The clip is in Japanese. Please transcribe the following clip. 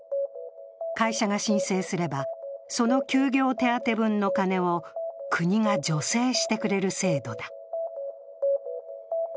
会社が申請すれば、その休業手当分の金を国が助成してくれる制度だ。